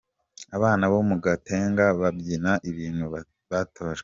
Abana bo mu Gatenga babyina ibintu batojwe.